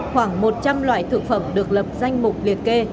khoảng một trăm linh loại thực phẩm được lập danh mục liệt kê